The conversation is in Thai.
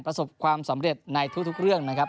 ประสบความสำเร็จในทุกเรื่องนะครับ